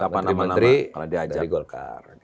menteri menteri dari golkar